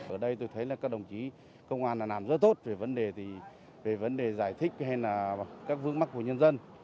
ở đây tôi thấy là các đồng chí công an làm rất tốt về vấn đề giải thích hay là các vướng mắt của nhân dân